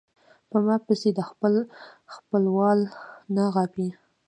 پۀ ما پسې د خپل خپل وال نه غاپي